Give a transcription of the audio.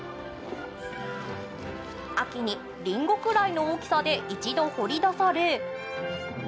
秋にリンゴくらいの大きさで一度掘り出され。